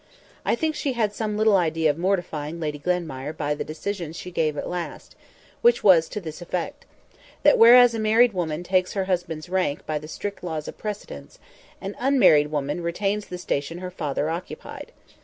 I think she had some little idea of mortifying Lady Glenmire by the decision she gave at last; which was to this effect: that whereas a married woman takes her husband's rank by the strict laws of precedence, an unmarried woman retains the station her father occupied.